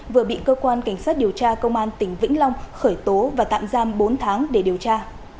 vừa bị cơ quan cảnh sát điều tra công an tỉnh vĩnh long khởi tố và tạm giam bốn tháng để điều tra